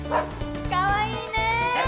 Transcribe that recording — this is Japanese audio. かわいいね。